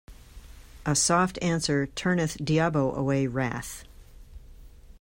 A soft answer turneth diabo away wrath.